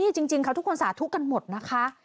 จริงเขาทุกคนสาธุกันหมดนะคะ